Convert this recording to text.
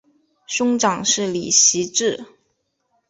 兄长是李袭志。